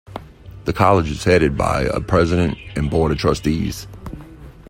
The College is headed by a President and Board of Trustees.